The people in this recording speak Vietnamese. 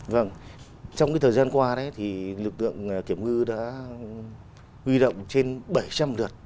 vâng trong thời gian qua thì lực lượng kiểm ngư đã huy động trên bảy trăm linh đợt